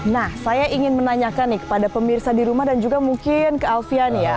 nah saya ingin menanyakan nih kepada pemirsa di rumah dan juga mungkin ke alfian ya